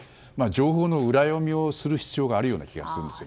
情報の裏読みをする必要がある気がします。